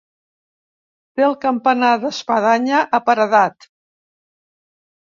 Té el campanar d'espadanya, aparedat.